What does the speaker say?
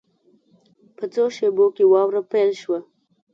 په څو شېبو کې واوره پیل شوه.